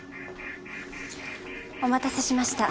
お待たせしました。